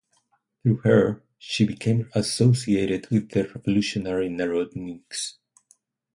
Through her, she became associated with the revolutionary Narodniks.